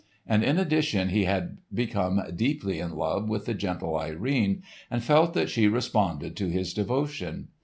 And in addition he had become deeply in love with the gentle Irene and felt that she responded to his devotion.